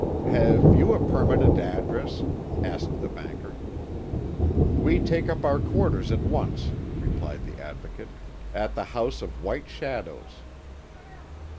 "Have you a permanent address?" asked the banker. "We take up our quarters at once," replied the Advocate, "at the House of White Shadows."